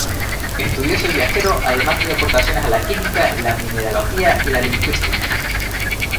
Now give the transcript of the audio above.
Estudioso y viajero, además hizo aportaciones a la química, la mineralogía y la lingüística.